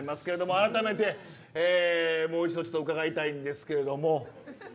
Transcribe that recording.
あらためてもう一度伺いたいんですけれども。